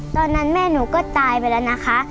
ตอนนั้นแม่หนูก็ตายไปแล้วนะคะ